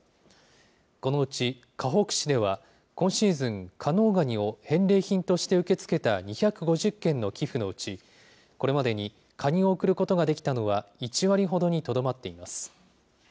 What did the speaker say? このうち、かほく市では、今シーズン、加能ガニを返礼品として受け付けた２５０件の寄付のうち、これまでにカニを送ることができたのは１割ほどにとどまっています。